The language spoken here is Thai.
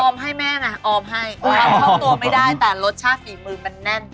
ออมให้แม่นะออมให้ความคล่องตัวไม่ได้แต่รสชาติฝีมือมันแน่น